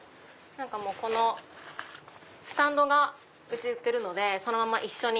このスタンドが売ってるのでそのまま一緒に。